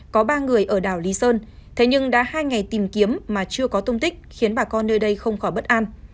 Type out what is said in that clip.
có ba người ở đảo lý sơn thế nhưng đã hai ngày tìm kiếm mà chưa có tung tích khiến bà con nơi đây không khỏi bất an